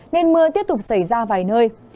nên mưa tiếp tục xảy ra vài nơi